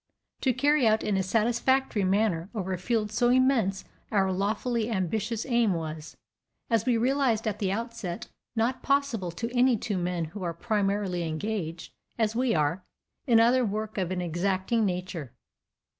To carry out in a satisfactory manner over a field so immense our lawfully ambitious aim was, as we realized at the outset, not possible to any two men who are primarily engaged, as we are, in other work of an exacting nature.